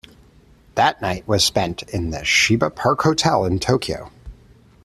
That night was spent in the Shiba Park Hotel in Tokyo.